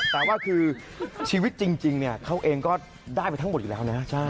แต่ว่าคือชีวิตจริงเขาเองก็ได้ไปทั้งหมดอยู่แล้วนะ